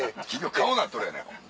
顔になっとるやないか。